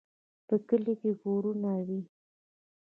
په کلي کې کورونه وي.